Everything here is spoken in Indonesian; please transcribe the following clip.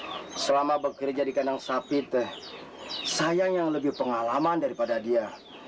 hmm selama bekerja di kandang sapi teh sayang yang lebih pengalaman daripada dia